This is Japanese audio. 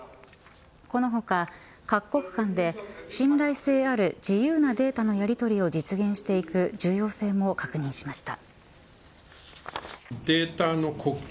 この他、各国間で信頼性ある自由なデータのやりとりを実現していく重要性も確認しました。